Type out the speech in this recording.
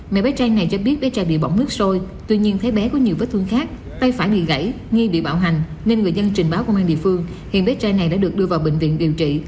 mẹ bé trai này cho biết bé trai bị bỏng nước sôi tuy nhiên thấy bé có nhiều vết thương khác tay phải bị gãy nghi bị bạo hành nên người dân trình báo công an địa phương hiện bé trai này đã được đưa vào bệnh viện điều trị